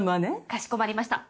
かしこまりました。